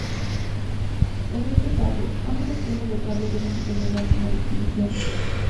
En este caso, ambos extremos del cable deben tener la misma distribución.